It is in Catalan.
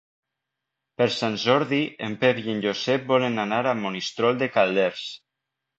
Per Sant Jordi en Pep i en Josep volen anar a Monistrol de Calders.